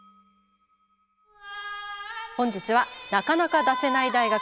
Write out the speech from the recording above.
本日はなかなか出せない大学